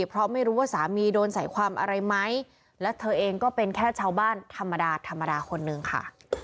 เพราะไม่รู้ว่าสามีโดนใส่ความอะไรไหมและเธอเองก็เป็นแค่ชาวบ้านธรรมดาธรรมดาคนนึงค่ะ